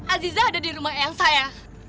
aziza ada di rumah eyang saya